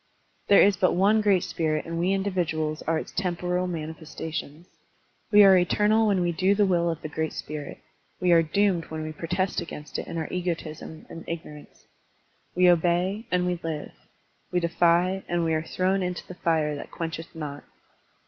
There is but one great spirit and we individuals are its temporal manifestations. We are eternal when we do the will of the great spirit; we are doomed when we protest against it in our egotism and ignorance. We obey, and we live. We defy, and we are thrown into the fire that quench eth not.